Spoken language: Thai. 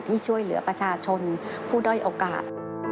ที่ช่วยเหลือประชาชนผู้ด้อยโอกาส